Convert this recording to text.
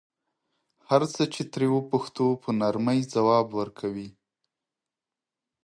هر څه چې ترې وپوښتو په نرمۍ ځواب ورکوي.